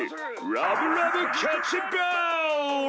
ラブラブキャッチボール！